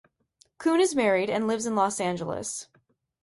Kuhn is married and lives in Los Angeles.